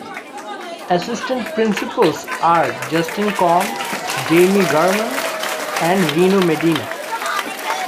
Assistant principals are Justin Conn, Jaime Garman, and Reno Medina.